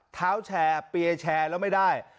เท้าแชร์เปียร์แชร์แล้วไม่ได้